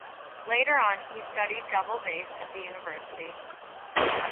Later on, he studied "double bass" at the university.